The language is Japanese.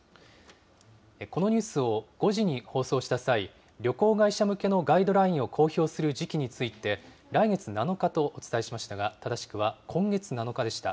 このニュースを５時に放送した際、旅行会社向けのガイドラインを公表する時期について、来月７日とお伝えしましたが、正しくは今月７日でした。